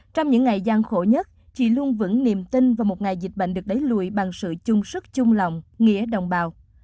trong những ngày gian khổ nhất chị luôn vững niềm tin vào một ngày dịch bệnh được đẩy lùi bằng sự chung sức chung lòng nghĩa đồng bào